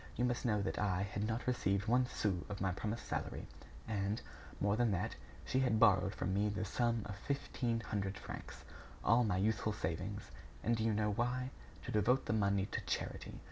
You must know that I had not received one sou of my promised salary, and, more than that, she had borrowed from me the sum of fifteen hundred francs. All my youthful savings! And do you know why? To devote the money to charity!